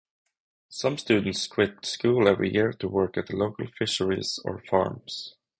Some students quit school every year to work at the local fisheries and farms.